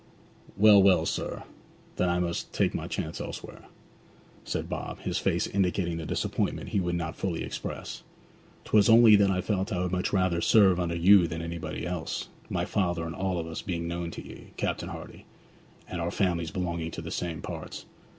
'Well, well, sir; then I must take my chance elsewhere,' said Bob, his face indicating the disappointment he would not fully express. ''Twas only that I felt I would much rather serve under you than anybody else, my father and all of us being known to ye, Captain Hardy, and our families belonging to the same parts.'